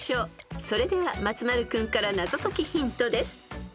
［それでは松丸君から謎解きヒントです］